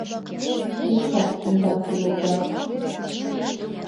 Вӱдшат кумда кӱлылда.